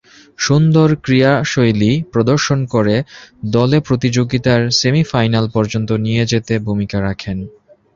সুন্দর ক্রীড়াশৈলী প্রদর্শন করে দলে প্রতিযোগিতার সেমি-ফাইনাল পর্যন্ত নিয়ে যেতে ভূমিকা রাখেন।